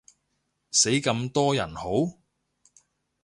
死咁多人好？